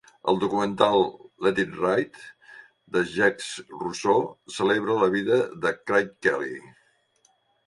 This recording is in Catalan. El documental "Let It Ride" de Jacques Russo, celebra la vida de Craig Kelly.